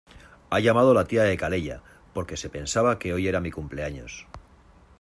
Ha llamado la tía de Calella porque se pensaba que hoy era mi cumpleaños.